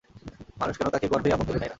মানুষ কেন তাকে গর্ভেই আপন করে নেয় না?